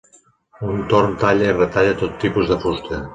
Un torn talla i retalla tot tipus de fusta.